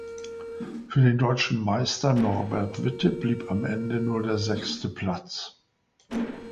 Für den Deutschen Meister Norbert Witte blieb am Ende nur der sechste Platz.